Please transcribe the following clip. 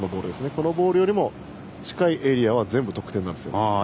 このボールよりも近いエリアは全部得点なんです。